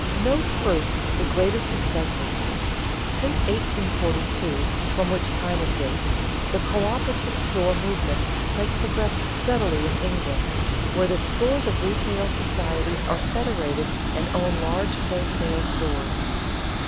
_ Note first the greater successes. Since 1842, from which time it dates, the coöperative store movement has progressed steadily in England, where the scores of retail societies are federated and own large wholesale stores.